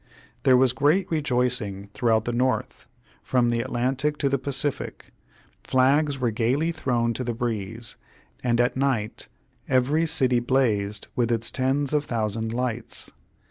There was great rejoicing throughout the North. From the Atlantic to the Pacific, flags were gayly thrown to the breeze, and at night every city blazed with its tens of thousand lights.